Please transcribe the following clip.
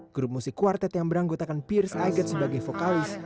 grup musik kuartet yang beranggotakan pierce iget sebagai vokalis